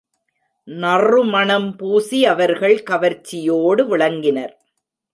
நறுமணம் பூசி அவர்கள் கவர்ச்சியோடு விளங்கினர்.